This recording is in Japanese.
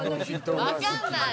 分かんない。